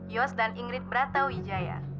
yos dan ingrid brata wijaya